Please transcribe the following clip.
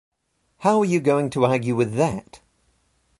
How are you going to argue with that?